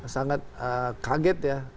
sangat kaget ya